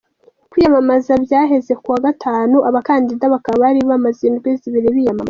Kwiyamamaza vyaheze kuwa gatanu, abakandida bakaba bari bamaze indwi zibiri biyamamaza.